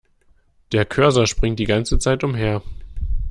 Der Cursor springt die ganze Zeit umher.